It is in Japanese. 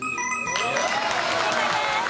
正解です。